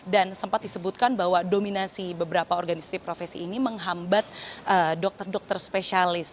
dan sempat disebutkan bahwa dominasi beberapa organisasi profesi ini menghambat dokter dokter spesialis